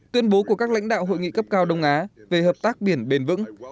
tuyên bố của các lãnh đạo hội nghị cấp cao đông á về hợp tác biển bền vững